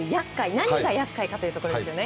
何が厄介かというところですよね。